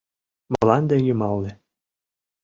Мланде йымалне